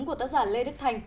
của tác giả lê đức thành